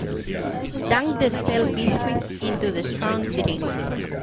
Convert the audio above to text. Dunk the stale biscuits into strong drink.